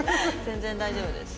全然大丈夫です。